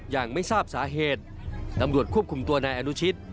ยังไม่ทราบสาเหตุตำรวจควบคุมตัวนายอนุชิต